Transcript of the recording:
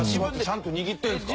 ちゃんと握ってるんですか？